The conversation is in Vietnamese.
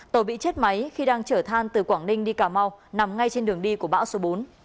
tàu bị chết máy khi đang chở than từ quảng ninh đi cà mau nằm ngay trên đường đi của bão số bốn